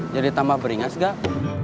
jadi tambah beringas nggak